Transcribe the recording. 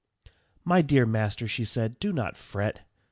] "My dear master," she said, "do not fret.